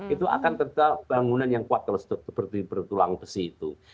itu akan tetap bangunan yang kuat seperti bertulang besi itu